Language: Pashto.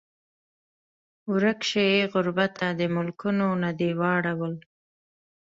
ورک شې ای غربته د ملکونو نه دې واړول